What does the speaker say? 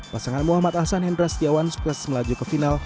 pasangan muhammad ahsan hendra setiawan sukses melaju ke final